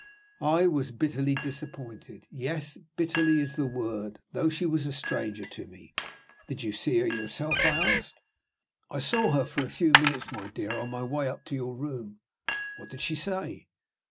I was bitterly disappointed. Yes: "bitterly" is the word though she was a stranger to me. "Did you see her yourself?" I asked. "I saw her for a few minutes, my dear, on my way up to your room." "What did she say?"